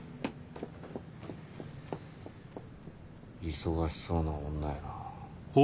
忙しそうな女やな。